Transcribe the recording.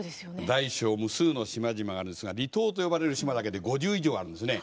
大小無数の島々があるんですが離島と呼ばれる島だけで５０以上あるんですね。